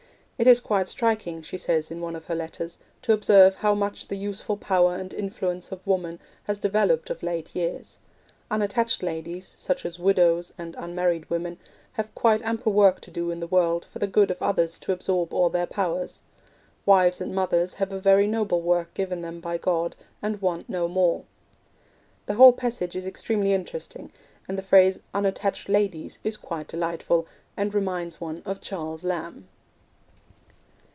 'It is quite striking,' she says in one of her letters, 'to observe how much the useful power and influence of woman has developed of late years. Unattached ladies, such as widows and unmarried women, have quite ample work to do in the world for the good of others to absorb all their powers. Wives and mothers have a very noble work given them by God, and want no more.' The whole passage is extremely interesting, and the phrase 'unattached ladies' is quite delightful, and reminds one of Charles Lamb.